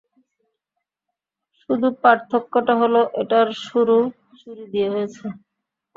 শুধু পার্থক্যটা হলো, এটার শুরু চুরি দিয়ে হয়েছে।